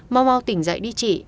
mau mau tỉnh dậy đi chị